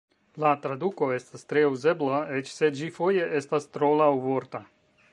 La traduko estas tre uzebla, eĉ se ĝi foje estas tro laŭvorta.